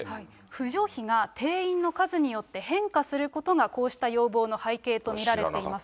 扶助費が定員の数によって変化することが、こうした要望の背景と見られています。